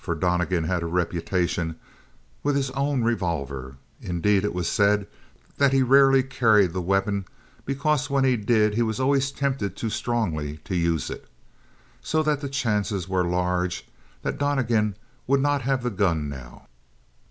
For Donnegan had a reputation with his own revolver. Indeed, it was said that he rarely carried the weapon, because when he did he was always tempted too strongly to use it. So that the chances were large that Donnegan would not have the gun now.